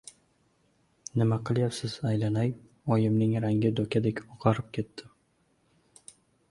— Nima qilyapsiz, aylanay? — oyimning rangi dokadek oqarib ketdi.